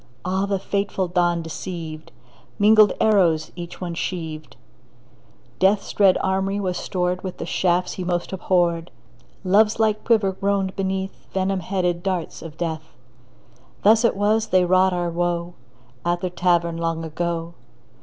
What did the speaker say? Ah, the fateful dawn deceived! Mingled arrows each one sheaved; Death's dread armoury was stored With the shafts he most abhorred; Love's light quiver groaned beneath Venom headed darts of Death. Thus it was they wrought our woe At the Tavern long ago.